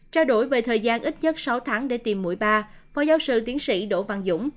trao đổi về thời gian ít nhất sáu tháng để tìm mũi ba phó giáo sư tiến sĩ đỗ văn dũng